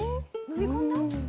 のみ込んだ？